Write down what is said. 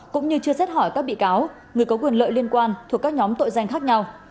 cũng như chưa xét hỏi các bị cáo người có quyền lợi liên quan thuộc các nhóm tội danh khác nhau